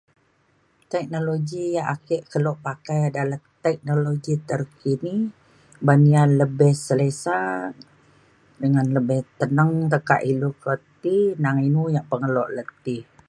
teknologi ia' ake kelo pakai adalah teknologi terkini ban ia' lebih selesa dengan lebih teneng tekak ilu ke ti nang inu ia' pengelo le ti